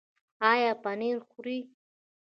ایا پنیر خورئ؟